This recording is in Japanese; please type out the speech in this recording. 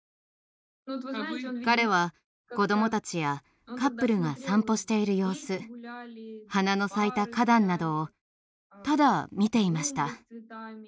彼は子どもたちやカップルが散歩している様子花の咲いた花壇などをただ見ていました。